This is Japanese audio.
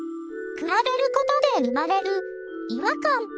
比べることで生まれる違和感。